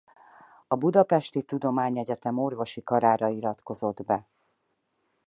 A budapesti tudományegyetem orvosi karára iratkozott be.